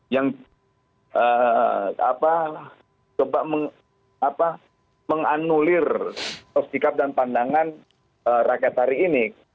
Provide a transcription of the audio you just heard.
yang coba menganulir sikap dan pandangan rakyat hari ini